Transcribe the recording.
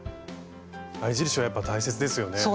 合い印はやっぱ大切ですよね。